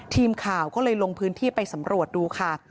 ทีมข่าวก็เลยลงพื้นที่ไปสำรวจดูค่ะ